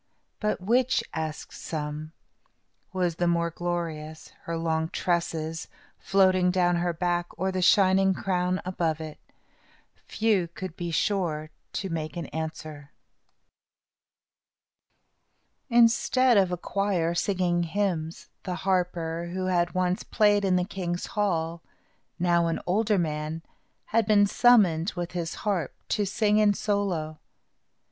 "But which," asked some, "was the more glorious, her long tresses, floating down her back, or the shining crown above it?" Few could be sure in making answer. Instead of a choir singing hymns, the harper, who had once played in the king's hall, now an older man, had been summoned, with his harp, to sing in solo.